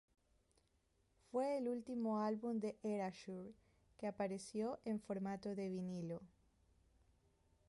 Fue el último álbum de Erasure que apareció en formato de vinilo.